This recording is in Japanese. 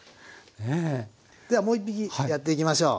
ではもう一匹やっていきましょう。